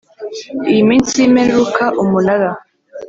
Iyi minsi y imperuka umunara